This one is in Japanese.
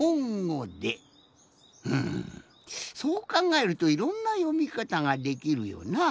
うんそうかんがえるといろんなよみかたができるよなあ。